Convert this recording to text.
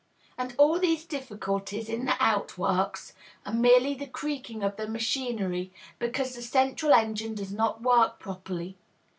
and all these difficulties in the outworks are merely the creaking of the machinery, because the central engine does not work properly.